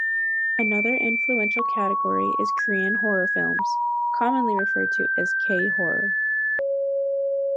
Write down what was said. Another influential category is the Korean horror films, commonly referred to as "K-horror".